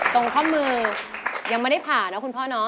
ตรงคุณพ่อมือยังไม่ได้ผ่าเนอะคุณพ่อเนาะ